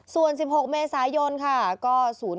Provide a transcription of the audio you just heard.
ส่วน๑๖เมษายนค่ะก็๐๔